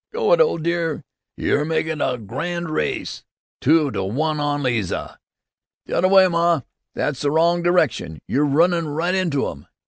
"Go it, old dear! Yer makin' a grand race!" "Two to one on Liza!" "The other w'y, ma! That's the wrong direction! Yer runnin' right into 'em!"